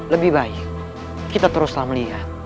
lebih baik kita teruslah melihat